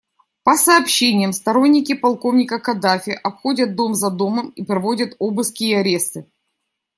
По сообщениям, сторонники полковника Каддафи обходят дом за домом и проводят обыски и аресты.